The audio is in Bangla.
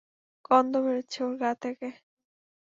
গন্ধ বেরোচ্ছে ওর গা থেকে।